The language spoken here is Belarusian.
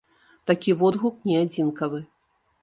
Такі водгук не адзінкавы.